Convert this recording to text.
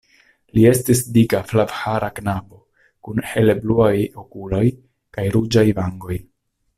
Li estis dika flavhara knabo kun helebluaj okuloj kaj ruĝaj vangoj.